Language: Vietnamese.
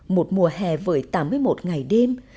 một mùa hè với tám mươi một ngày đêm